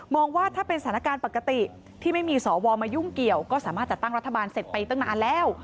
ว่าถ้าเป็นสถานการณ์ปกติที่ไม่มีสวมายุ่งเกี่ยวก็สามารถจัดตั้งรัฐบาลเสร็จไปตั้งนานแล้ว